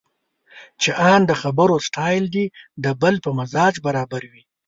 چې ان د خبرو سټایل دې د بل په مزاج برابر وي.